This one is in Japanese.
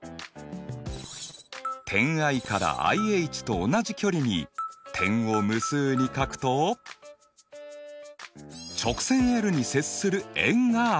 点ＩからＩＨと同じ距離に点を無数に書くと直線に接する円が現れる。